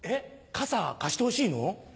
傘貸してほしいの？